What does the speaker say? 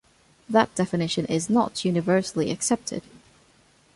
That definition is not universally accepted.